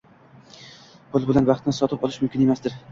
Pul bilan baxtni sotib olish mumkin emasdir.